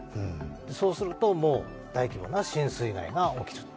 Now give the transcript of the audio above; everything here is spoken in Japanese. そうすると、大規模な浸水害が起きる。